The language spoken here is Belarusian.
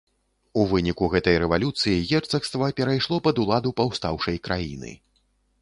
У выніку гэтай рэвалюцыі герцагства перайшло пад уладу паўстаўшай краіны.